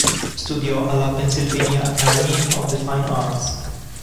Studiò alla Pennsylvania Academy of the Fine Arts.